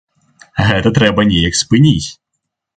Гэта трэба неяк спыніць.